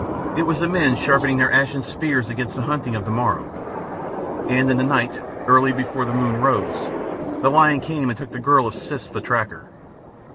It was the men sharpening their ashen spears against the hunting of the morrow. And in the night, early before the moon rose, the lion came and took the girl of Siss the Tracker.